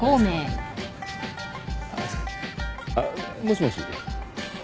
あっもしもし。